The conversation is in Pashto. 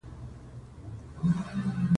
ادارې باید ولس ته خدمت وکړي